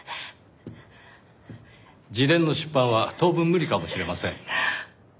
自伝の出版は当分無理かもしれません。